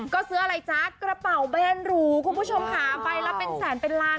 ก็ซื้ออะไรจ๊ะกระเป๋าแบนหรูคุณผู้ชมค่ะใบละเป็นแสนเป็นล้าน